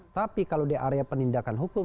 tapi kalau di area penindakan hukum